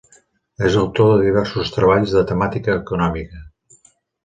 És autor de diversos treballs de temàtica econòmica.